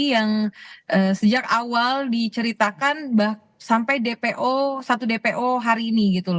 yang sejak awal diceritakan sampai dpo satu dpo hari ini